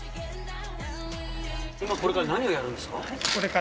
これから何をやるんですか？